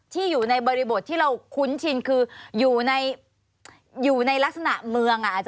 ที่อยู่ในบริบทที่เราคุ้นชินคืออยู่ในลักษณะเมือง